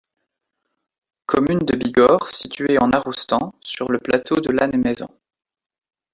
Commune de Bigorre située en Arroustang, sur le plateau de Lannemezan.